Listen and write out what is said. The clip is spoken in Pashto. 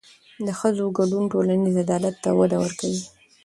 د ښځو ګډون ټولنیز عدالت ته وده ورکوي.